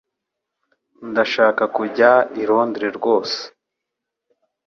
Ndashaka kujya i Londres rwose